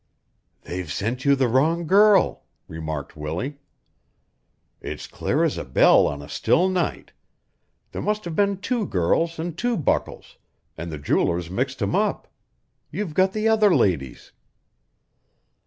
"They've sent you the wrong girl," remarked Willie. "It's clear as a bell on a still night. There must have been two girls an' two buckles, an' the jeweler's mixed 'em up; you've got the other lady's."